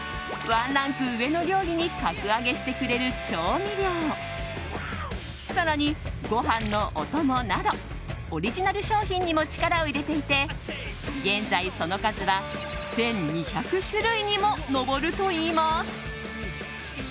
ワンランク上の料理に格上げしてくれる調味料更に、ご飯のお供などオリジナル商品にも力を入れていて現在、その数は１２００種類にも上るといいます。